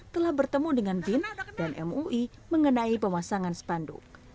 telah bertemu dengan bin dan mui mengenai pemasangan spanduk